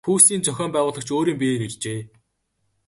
Пүүсийн зохион байгуулагч өөрийн биеэр иржээ.